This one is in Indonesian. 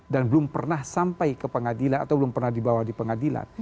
dan belum pernah sampai ke pengadilan atau belum pernah dibawa di pengadilan